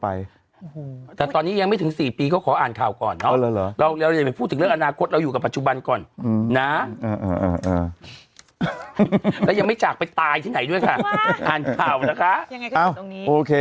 ไปตายที่ไหนด้วยค่ะอ่านข่าวนะคะยังไงค่ะตรงนี้โอเค